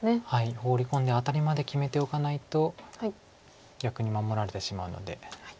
ホウリ込んでアタリまで決めておかないと逆に守られてしまうので。